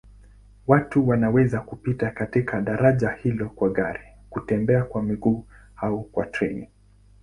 Watu wanaweza kupita katika daraja hilo kwa gari, kutembea kwa miguu au kwa treni.